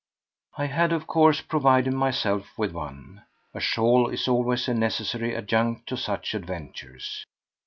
I had, of course, provided myself with one. A shawl is always a necessary adjunct to such adventures.